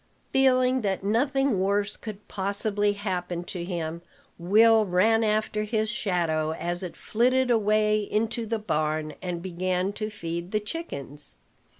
Feeling that nothing worse could possibly happen to him, Will ran after his shadow, as it flitted away into the barn, and began to feed the chickens.